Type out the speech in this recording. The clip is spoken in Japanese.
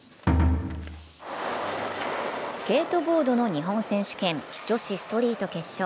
スケートボードの日本選手権、女子ストリート決勝。